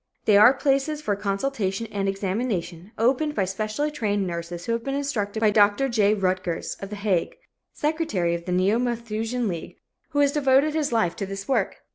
They are places for consultation and examination, opened by specially trained nurses who have been instructed by Dr. J. Rutgers, of The Hague, secretary of the Neo Malthusian League, who has devoted his life to this work.